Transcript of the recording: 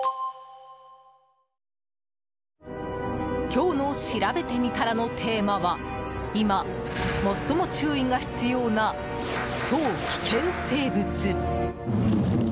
今日のしらべてみたらのテーマは今、最も注意が必要な超危険生物。